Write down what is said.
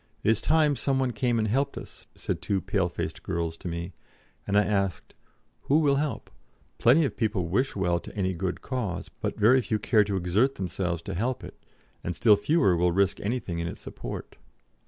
"It is time some one came and helped us," said two pale faced girls to me; and I asked: "Who will help? Plenty of people wish well to any good cause; but very few care to exert themselves to help it, and still fewer will risk anything in its support.